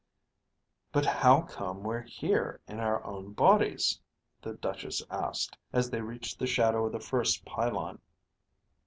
"But how come we're in our own bodies," the Duchess asked, as they reached the shadow of the first pylon.